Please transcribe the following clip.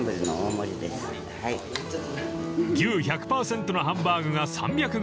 ［牛１００％のハンバーグが３００ｇ］